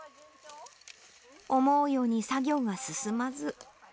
思うように作業が進まず。